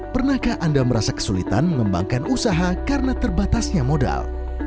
pernahkah anda merasa kesulitan mengembangkan usaha karena terbatasnya modal